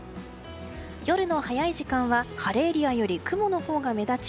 夜の早い時間は晴れエリアより雲のほうが目立ち